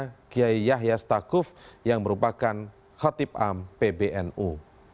dan ini adalah kata kata dari yahya khalil stakuf yang merupakan khatib ampe bnu